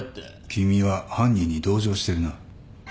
君は犯人に同情してるな。